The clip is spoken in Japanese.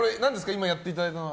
今やっていただいたのは。